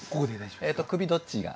首どっちが？